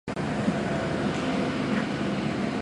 埃斯蒂尔县是一个禁酒县。